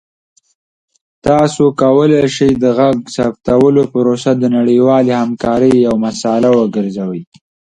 تاسو کولی شئ د غږ ثبتولو پروسه د نړیوالې همکارۍ یوه مثاله وګرځوئ.